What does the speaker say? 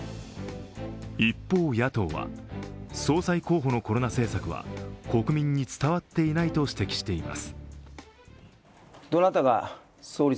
一方、野党は総裁候補のコロナ政策は国民に伝わっていないと指摘しています。